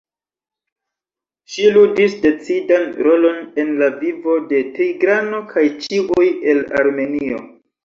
Ŝi ludis decidan rolon en la vivo de Tigrano kaj ĉiuj el Armenio.